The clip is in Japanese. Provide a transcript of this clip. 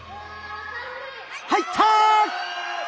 入った！